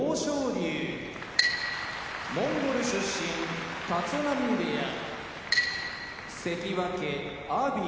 龍モンゴル出身立浪部屋関脇・阿炎